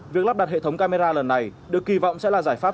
việc lắp đặt hệ thống camera lần này được kỳ vọng sẽ là giải pháp